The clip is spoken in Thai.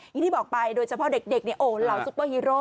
อย่างที่บอกไปโดยเฉพาะเด็กเนี่ยโอ้เหล่าซุปเปอร์ฮีโร่